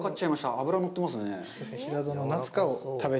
脂、乗ってますね。